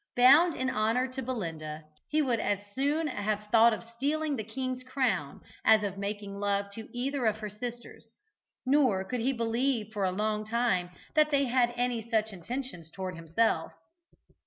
Bound in honour to Belinda, he would as soon have thought of stealing the king's crown as of making love to either of her sisters, nor could he believe for a long time that they had any such intentions towards himself.